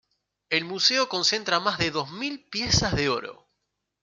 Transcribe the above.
El museo concentra más de dos mil piezas de oro.